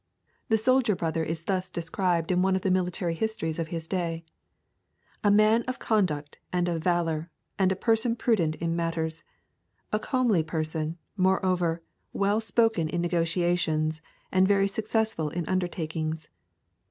The soldier brother is thus described in one of the military histories of his day: 'A man of conduct and of valour, and a person prudent in matters. A comely person, moreover, well spoken in negotiations, and very successful in undertakings.